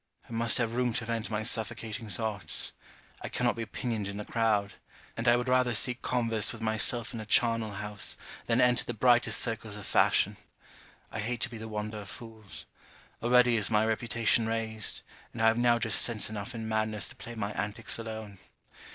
I must have room to vent my suffocating thoughts. I cannot be pinioned in the crowd; and I would rather seek converse with myself in a charnel house, than enter the brightest circles of fashion. I hate to be the wonder of fools. Already is my reputation raised, and I have now just sense enough in madness to play my antics alone.